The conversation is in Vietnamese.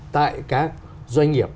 tại các doanh nghiệp